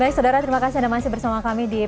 baik saudara terima kasih anda masih bersama kami di